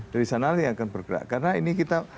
dari sana lagi akan bergerak karena ini kita